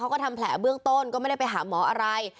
เขาก็ทำแผลเบื้องต้นก็ไม่ได้ไปหาหมออะไร